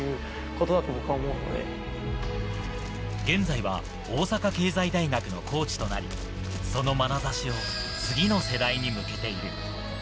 現在は大阪経済大学のコーチとなり、そのまなざしを次の世代に向けている。